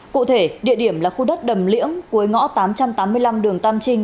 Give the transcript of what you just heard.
cụ thể địa điểm là khu đất đầm liễng cuối ngõ tám trăm tám mươi năm đường tam trinh